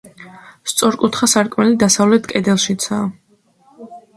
სწორკუთხა სარკმელი დასავლეთ კედელშიცაა.